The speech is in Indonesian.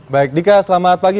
baik dika selamat pagi